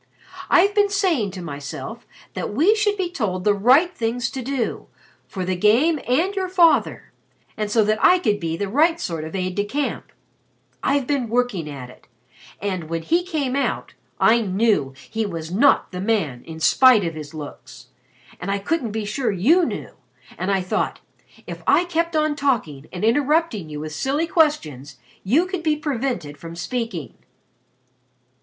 I've been saying to myself that we should be told the right things to do for the Game and for your father and so that I could be the right sort of aide de camp. I've been working at it, and, when he came out, I knew he was not the man in spite of his looks. And I couldn't be sure you knew, and I thought, if I kept on talking and interrupting you with silly questions, you could be prevented from speaking."